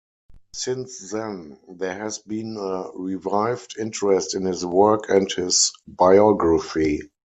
Since then, there has been a revived interest in his work and his biography.